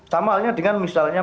sama halnya dengan misalnya